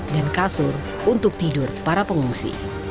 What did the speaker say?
dan kasur untuk tidur para pengungsi